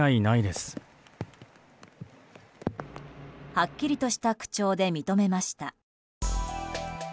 はっきりとした口調で認めました。